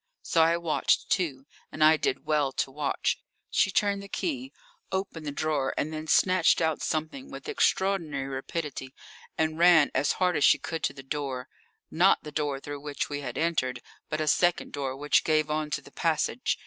So I watched, too, and I did well to watch. She turned the key, opened the drawer, and then snatched out something with extraordinary rapidity and ran as hard as she could to the door not the door through which we had entered, but a second door which gave on to the passage.